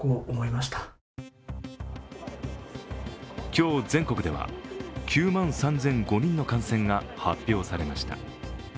今日、全国では９万３００５人の感染が発表されました。